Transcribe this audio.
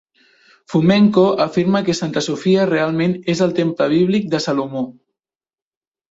Fomenko afirma que Santa Sofia realment és el temple bíblic de Salomó.